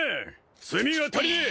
炭が足りねえ！